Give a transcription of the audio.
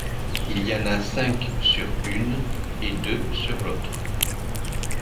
Il y en a cinq sur une, et deux sur l'autre.